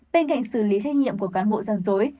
bên cạnh xử lý trách nhiệm của cán bộ gian dối